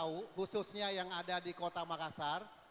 ini perlu tau khususnya yang ada di kota makassar